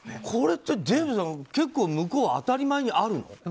これってデーブさん結構、向こうは当たり前にあるの？